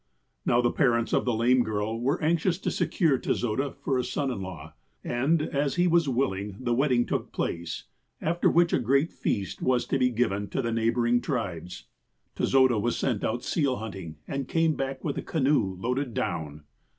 "Now the parents of the lame girl were anxious to secure Tezoda for a son in law, and, as he was willing, the wedding took place, aft(n which a great feast was to be given to the neighbouring tribes. THE SON OF THE HEAVENLY CHIEF 115 ''Tezoda was sent out seal htiuting, and came back with a canoe loaded down.